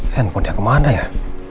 handphone dia kemana ya